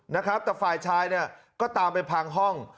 นะครับแต่ฝ่ายชายเนี่ยก็ตามไปพังห้อง